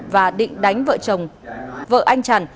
và định đánh vợ chồng vợ anh trần